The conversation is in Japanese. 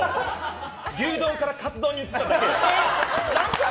牛丼からカツ丼に移っただけよ。